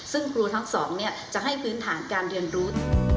ซึ่งครูทั้งสองจะให้พื้นฐานการเรียนรู้